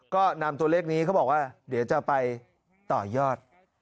ก็นำตัวเลขนี้เขาบอกว่าเดี๋ยวจะไปต่อยอด